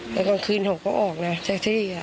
ในกลางคืนเขาก็ออกนะแท็กซี่